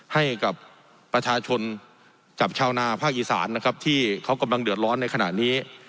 ให้กับประชาชนจากชาวนาภาคอีสานนะครับที่เขากำลังเดือดร้อนในขณะนี้